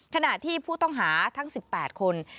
ขณะที่ผู้ต้องหาทั้ง๑๘คน